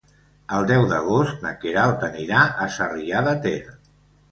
El deu d'agost na Queralt anirà a Sarrià de Ter.